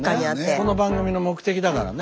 この番組の目的だからね。